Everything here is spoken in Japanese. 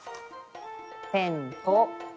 ペンと？